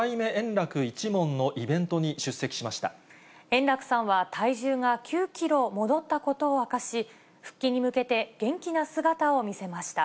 円楽さんは体重が９キロ戻ったことを明かし、復帰に向けて、元気な姿を見せました。